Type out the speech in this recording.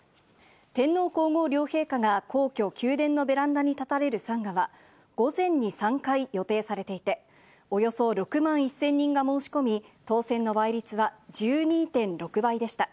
天皇皇后両陛下が皇居・宮殿のベランダに立たれる参賀は午前に３回予定されていて、およそ６万１０００人が申し込み、当選の倍率は１２．６倍でした。